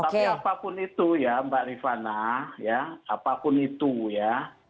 tapi apapun itu ya mbak rifana ya apapun itu ya